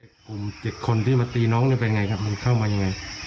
กลุ่ม๗คนที่มาตีน้องนี่เป็นไงครับมันเข้ามายังไง